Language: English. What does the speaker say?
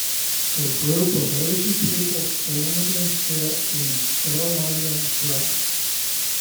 A group of Asian people stand and sit in ceremonial dress